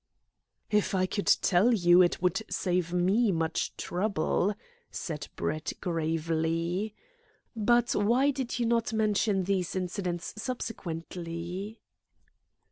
"If I could tell you, it would save me much trouble," said Brett gravely. "But why did you not mention these incidents subsequently?"